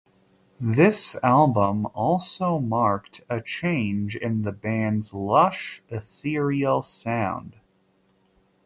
This album also marked a change in the bands' lush, ethereal sound.